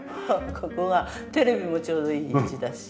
ここがテレビもちょうどいい位置だし。